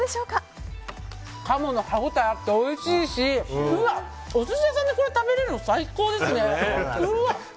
鴨の歯応えがあっておいしいしお寿司屋さんでこれ食べられるの最高ですね。